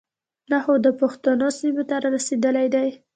نۀ خو د پښتنو سيمې ته را رسېدلے دے.